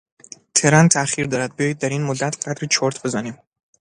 ترن تاخیر دارد، بیایید در این مدت قدری چرت بزنیم.